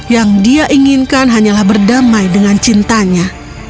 yang dia inginkan hanyalah berdamai dengan cintanya